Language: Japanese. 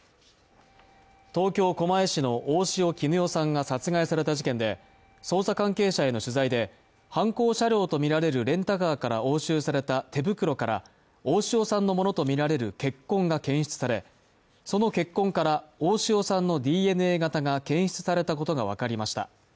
東京・狛江市の大塩衣与さんが殺害された事件で捜査関係者への取材で、犯行車両とみられるレンタカーから押収された手袋から大塩さんのものとみられる血痕が検出され、その血痕から大塩さんのＤＮＡ型が検出されたことが分かりました。